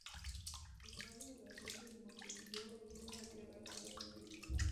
El caso del asedio de Montevideo durante la Guerra Grande recibió este homenaje.